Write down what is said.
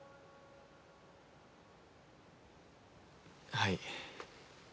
はい。